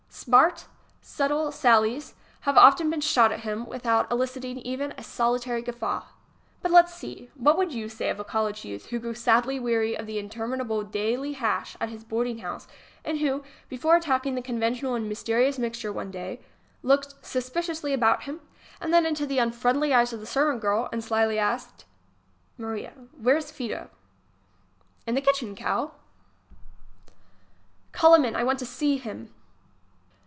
Smart, subtle sallies have often been shot at him without eliciting even a solitary guffaw. But let's see. What would you say of a college youth who grew sadly weary of the interminable daily hash at his boarding house, and who, before attacking the conventional and mysterious mixture one day, looked suspiciously about him, then into the unfriendly eyes of the servant girl, and slyly asked: "Maria, where's Fido?" "In the kitchen, Cal." pi HAVE FAITH IN COOLIDGE! @ 32 m "Call him in. I want to see him!"